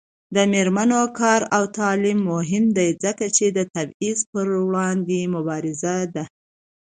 د میرمنو کار او تعلیم مهم دی ځکه چې تبعیض پر وړاندې مبارزه ده.